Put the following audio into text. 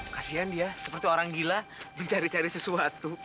kasian dia seperti orang gila mencari cari sesuatu